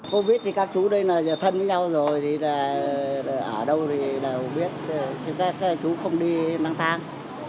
covid thì các chú đây là thân với nhau rồi ở đâu thì đều biết chứ các chú không đi năng thang